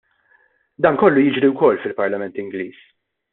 Dan kollu jiġri wkoll fil-Parlament Ingliż.